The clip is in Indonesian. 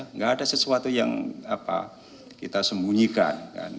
tidak ada sesuatu yang kita sembunyikan